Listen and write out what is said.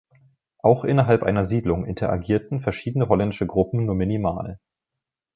Auch innerhalb einer Siedlung interagierten verschiedene holländische Gruppen nur minimal.